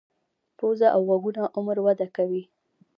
پوزه او غوږونه عمر وده کوي.